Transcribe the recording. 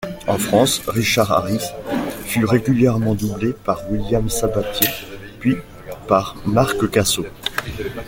En France, Richard Harris fut régulièrement doublé par William Sabatier puis par Marc Cassot.